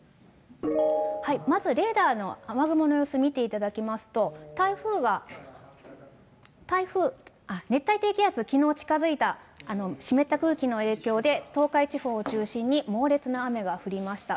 まずレーダーの雨雲の様子、見ていただきますと、熱帯低気圧、きのう近づいた湿った空気の影響で、東海地方を中心に猛烈な雨が降りました。